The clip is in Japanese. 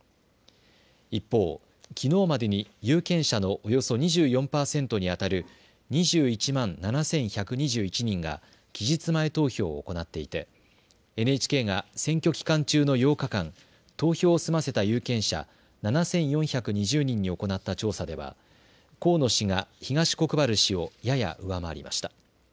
一方、きのうまでに有権者のおよそ２４％にあたる２１万７１２１人が期日前投票を行っていてＮＨＫが選挙期間中の８日間、投票を済ませた有権者７４２０人に行った調査では河野氏が東国原氏をやや上回りました。